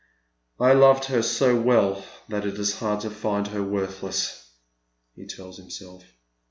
" 1 loved her so well that it is hard to find her worthless," he tells himself.